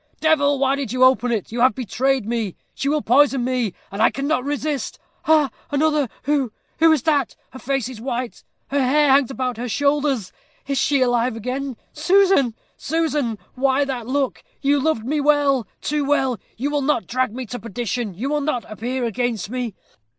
Devil! why did you open it? you have betrayed me she will poison me and I cannot resist. Ha! another! Who who is that? her face is white her hair hangs about her shoulders. Is she alive again? Susan! Susan! why that look? You loved me well too well. You will not drag me to perdition! You will not appear against me!